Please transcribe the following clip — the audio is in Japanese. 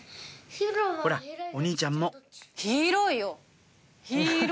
ほらお兄ちゃんも広い。